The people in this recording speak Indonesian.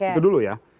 itu dulu ya